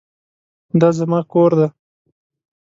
دا زما کور دی